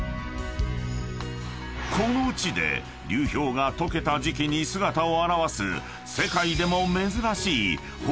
［この地で流氷が解けた時期に姿を現す］